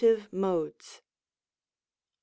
MODES. I.